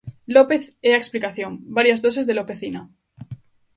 López é a explicación, varias doses de Lópezina.